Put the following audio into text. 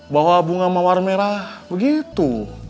bahwa bunga mawar merah begitu